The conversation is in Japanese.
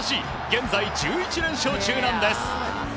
現在１１連勝中なんです。